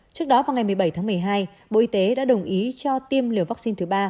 trước đó vào ngày một mươi bảy tháng một mươi hai bộ y tế đã đồng ý cho tiêm liều vaccine thứ ba